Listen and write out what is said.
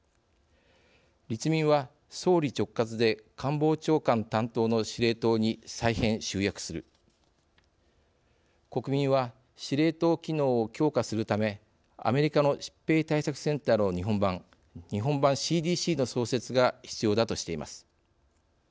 立民は総理直轄で官房長官担当の司令塔に再編・集約する国民は司令塔機能を強化するためアメリカの疾病対策センターの日本版日本版ＣＤＣの創設が必要だとしています。